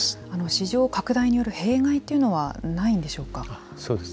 市場拡大による弊害というのはないんでしょうか。